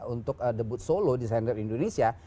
untuk debut solo desainer indonesia